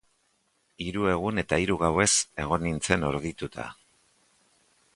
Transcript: Hiru egun eta hiru gauez egon nintzen horditua.